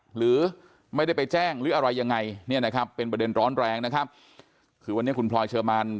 หรือไม่ได้ไปแจ้งหรืออะไรยังไงเป็นประเด็นร้อนแรงคือวันนี้คุณพลอยเชอร์มาน